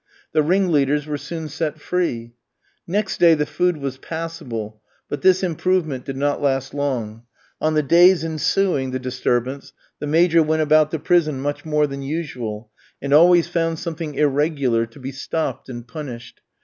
The ringleaders were soon set free. Next day the food was passable, but this improvement did not last long; on the days ensuing the disturbance, the Major went about the prison much more than usual, and always found something irregular to be stopped and punished.